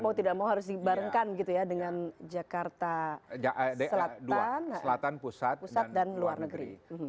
mau tidak mau harus dibarengkan gitu ya dengan jakarta selatan pusat dan luar negeri